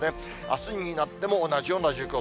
あすになっても同じような状況。